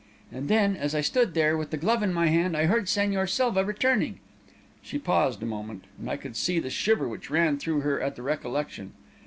And then, as I stood there, with the glove in my hand, I heard Señor Silva returning." She paused a moment, and I could see the shiver which ran through her at the recollection.